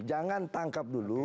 jangan tangkap dulu